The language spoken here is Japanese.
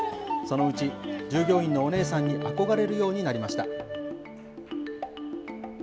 そのうち、従業員のお姉さんに憧れるようになりました。